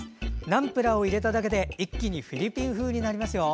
ナムプラーを入れただけで一気にフィリピン風になりますよ。